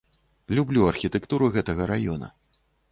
Люблю архітэктуру гэтага раёна.